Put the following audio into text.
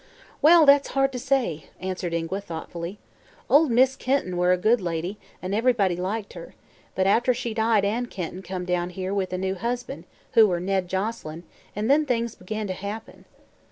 "Well, that's hard to say," answered Ingua thoughtfully. "Ol' Mis' Kenton were a good lady, an' ev'rybody liked her; but after she died Ann Kenton come down here with a new husban', who were Ned Joselyn, an' then things began to happen.